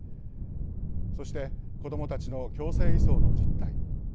そして、子どもたちの強制移送の実態。